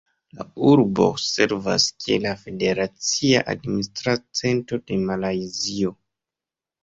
La urbo servas kiel la federacia administra centro de Malajzio.